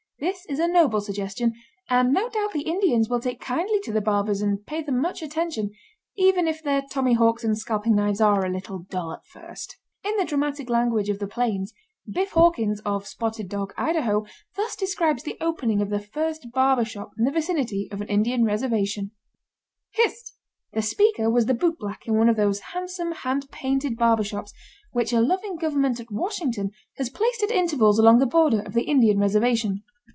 This is a noble suggestion, and no doubt the Indians will take kindly to the barbers and pay them much attention even if their tommyhawks and scalping knives are a little dull at first. In the dramatic language of the plains Biff Hawkins, of Spotted Dog, Idaho, thus describes the opening of the first barber shop in the vicinity of an Indian reservation: "Hist!" The speaker was the bootblack in one of those handsome hand painted barber shops which a loving government at Washington has placed at intervals along the border of the Indian Reservation.